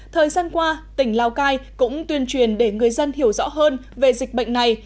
thời gian qua tỉnh lào cai cũng tuyên truyền để người dân hiểu rõ hơn về dịch bệnh này